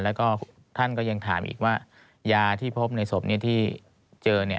แล้วก็ท่านก็ยังถามอีกว่ายาที่พบในศพที่เจอ